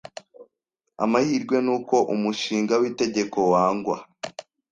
Amahirwe nuko umushinga w'itegeko wangwa.